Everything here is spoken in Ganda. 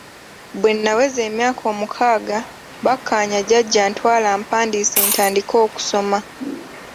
Bwe naweza emyaka omukaaga bakkaanya jjajja antwale ampandiise ntandike okusoma.